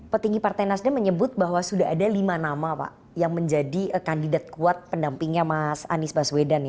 petinggi partai nasdem menyebut bahwa sudah ada lima nama pak yang menjadi kandidat kuat pendampingnya mas anies baswedan